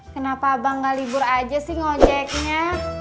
kenapa abang ga libur aja sih ngejeknya